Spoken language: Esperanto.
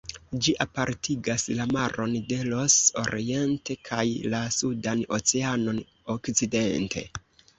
Ĝi apartigas la maron de Ross oriente kaj la Sudan Oceanon okcidente.